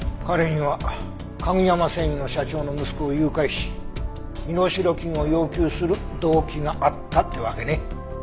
彼にはカグヤマ繊維の社長の息子を誘拐し身代金を要求する動機があったってわけね。